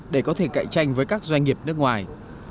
để có thể cạnh tranh với các doanh nghiệp nước ngoài